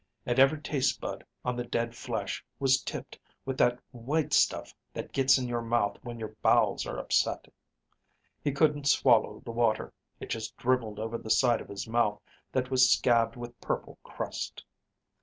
And every taste bud on the dead flesh was tipped with that white stuff that gets in your mouth when your bowels are upset. He couldn't swallow the water. It just dribbled over the side of his mouth that was scabbed with purple crust.